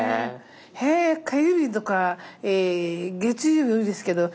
へえ火曜日とか月曜日多いですけど